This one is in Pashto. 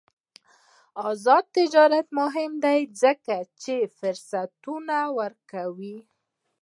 آزاد تجارت مهم دی ځکه چې فرصتونه ورکوي.